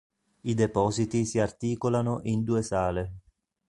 I depositi si articolano in due sale.